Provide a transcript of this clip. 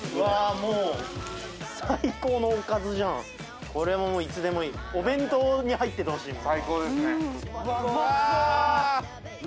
もう最高のおかずじゃんこれももういつでもいいお弁当に入っててほしい最高ですね・うわうまそう！